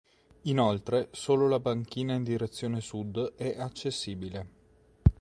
Inoltre, solo la banchina in direzione sud è accessibile.